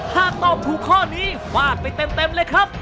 หากตอบถูกข้อนี้ฟาดไปเต็มเลยครับ